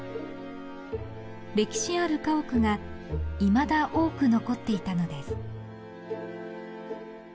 歴史ある家屋がいまだ多く残っていたのです。